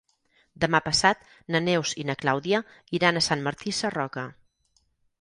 Demà passat na Neus i na Clàudia iran a Sant Martí Sarroca.